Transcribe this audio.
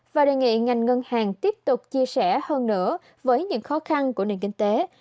và đề nghị ngành ngân hàng tiếp tục chia sẻ hơn nữa với những khó khăn của nền kinh tế